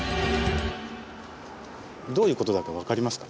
どういうことだか分かりますか？